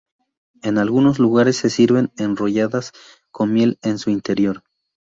En algunos lugares se sirven enrolladas con miel en su interior.